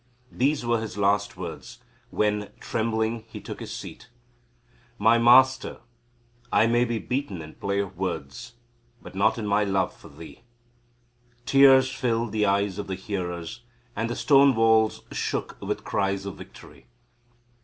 These were his last words when, trembling, he took his seat: "My master, I may be beaten in play of words, but not in my love for thee." Tears filled the eyes of the hearers, and the stone walls shook with cries of victory.